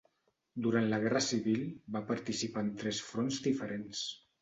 Durant la guerra civil va participar en tres fronts diferents.